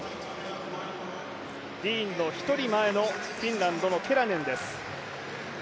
ディーンの１人前のフィンランドのケラネンです。